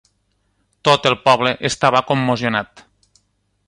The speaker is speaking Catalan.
Tot el poble estava commocionat.